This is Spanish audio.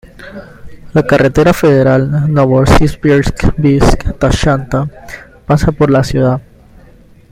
La carretera federal Novosibirsk-Bisk-Tashanta pasa por la ciudad.